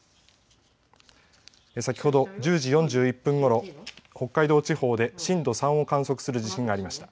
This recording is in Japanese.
先ほど１０時４１分ごろ北海道地方で震度３を観測する地震がありました。